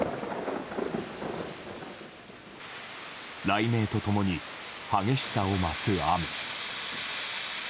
雷鳴と共に激しさを増す雨。